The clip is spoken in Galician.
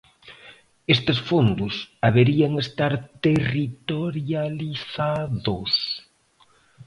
Estes fondos haberían estar territorializados.